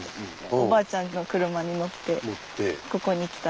おばあちゃんの車に乗ってここに来た。